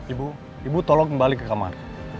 ibu ibu tolong kembali ke kamar